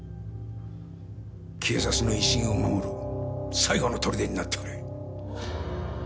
警察の威信を守る最後の砦になってくれ。